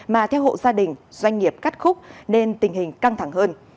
mà theo hộ gia đình doanh nghiệp cắt khúc nên tình hình căng thẳng hơn